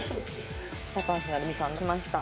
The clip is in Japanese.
高橋成美さんきました。